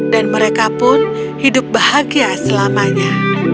dan mereka pun hidup bahagia selamanya